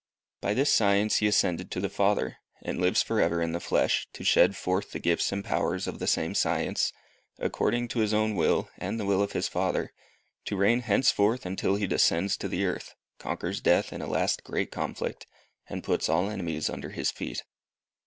By this science he ascended to the Father, and lives for ever in the flesh, to shed forth the gifts and powers of the same science, according to his own will, and the will of his Father, to reign henceforth until he descends to the earth, conquers death in a last great conflict, and puts all enemies under his feet.